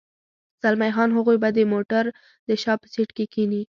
زلمی خان: هغوی به د موټر د شا په سېټ کې کېني.